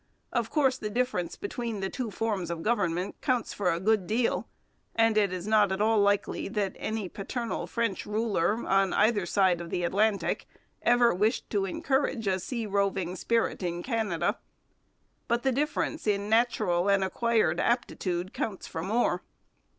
Of course the difference between the two forms of government counts for a good deal and it is not at all likely that any paternal French ruler, on either side of the Atlantic, ever wished to encourage a sea roving spirit in Canada. But the difference in natural and acquired aptitude counts for more.